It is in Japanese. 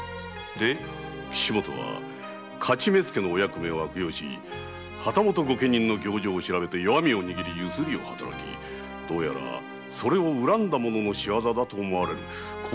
岸本は徒目付のお役目を悪用し旗本御家人の行状を調べて弱味を握り強請を働きどうやらそれを恨んだ者の仕業だと山岡殿は申されるのです。